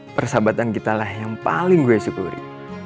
persahabatan kita lah yang paling gue syukuri